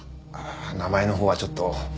あっ名前のほうはちょっと。